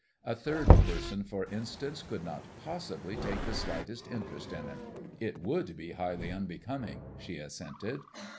A third person, for instance, could not possibly take the slightest interest in it." "It would be highly unbecoming," she assented.